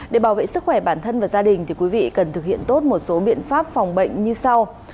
để bảo vệ sức khỏe bản thân và gia đình thì quý vị cần thực hiện tốt một số biện pháp phòng bệnh như sau